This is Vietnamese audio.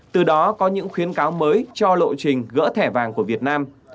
từ đó có những khuyến cáo mới cho lộ trình gỡ thẻ vàng của việt nam